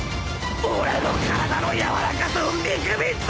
俺の体の柔らかさを見くびんじゃねえ！